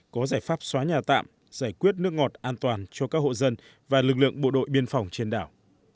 có giải pháp xóa nhà tạm giải quyết nước ngọt an toàn cho các hộ dân và lực lượng bộ đội biên phòng trên đảo